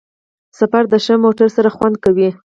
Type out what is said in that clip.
سفر د ښه موټر سره خوند کوي.